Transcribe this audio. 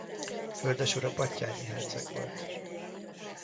Földesura Batthyány herczeg volt.